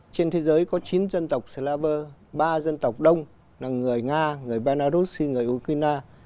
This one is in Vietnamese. trên thế giới có chín dân tộc slaber ba dân tộc đông là người nga người belarus người ukraine